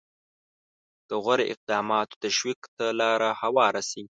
د غوره اقداماتو تشویق ته لاره هواره شي.